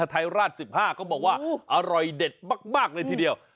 ไทยราช๑๕ก็บอกว่าอร่อยเด็ดมากเลยทีเดียว